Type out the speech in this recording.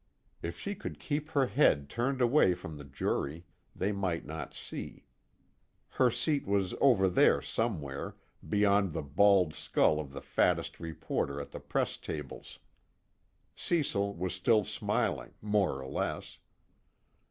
If she could keep her head turned away from the jury, they might not see. Her seat was over there somewhere, beyond the bald skull of the fattest reporter at the press tables. Cecil was still smiling, more or less.